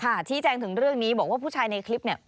ชี้แจงถึงเรื่องนี้บอกว่าผู้ชายในคลิปเนี่ย